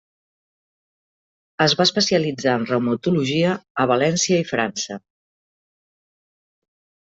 Es va especialitzar en reumatologia a València i França.